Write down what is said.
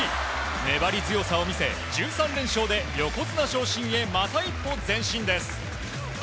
粘り強さを見せ１３連勝で横綱昇進へまた一歩前進です。